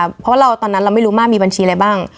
เพราะว่าตอนนั้นเราไม่รู้มากมีบัญชีอะไรบ้าง